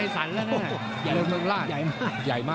สวยงาม